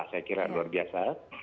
saya kira luar biasa